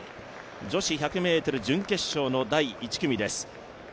女子１００ｍ準決勝の第１組です